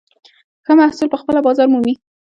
ښه محصول پخپله بازار مومي.